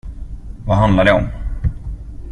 Vad handlar det om?